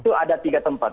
itu ada tiga tempat